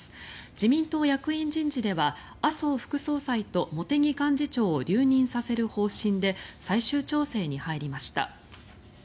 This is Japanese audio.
自民党役員人事では麻生副総裁と茂木幹事長を留任させる方針で最終調整に入りました。